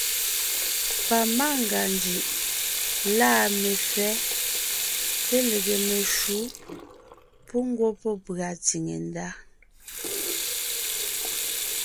Pamangʉa njʉʼ lâ mefɛ́ té lege meshǔ pú ngwɔ́ pɔ́ pʉ̀a tsìŋe ndá.